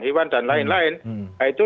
hewan dan lain lain nah itu